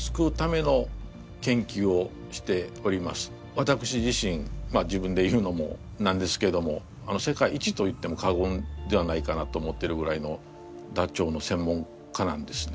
わたくし自身自分で言うのもなんですけども世界一と言っても過言ではないかなと思ってるぐらいのダチョウの専門家なんですね。